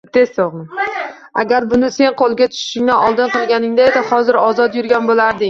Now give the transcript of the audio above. Agar buni sen qo‘lga tushishingdan oldin qilganingda edi, hozir ozod yurgan bo‘larding